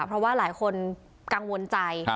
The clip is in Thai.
เพราะว่าหลายคนกังวลใจ